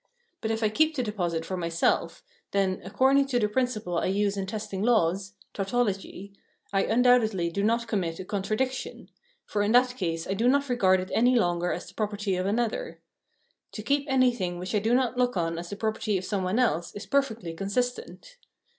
But if I keep the deposit for myself, then, according to the principle I use in testing laws — tautology — I un doubtedly do not commit a contradiction ; for in that case I do not regard it any longer as the property of another. To keep anj^thing which I do not look on as the property of some one else is perfectly consistent.